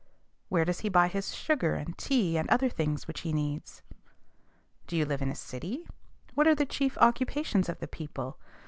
Where does he buy his sugar and tea and other things which he needs? Do you live in a city? What are the chief occupations of the people?